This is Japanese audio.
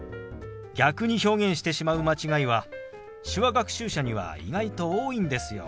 逆に表現してしまう間違いは手話学習者には意外と多いんですよ。